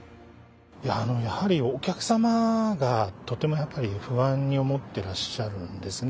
やはりお客様がとてもやっぱり不安に思ってらっしゃるんですね。